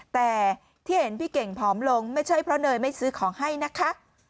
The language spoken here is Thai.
แต่ที่เห็นพี่เก่งผอมลงไม่ใช่เพราะเนยไม่ซื้อของให้นะคะ